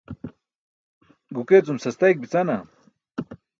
guke cum sastayik bicana?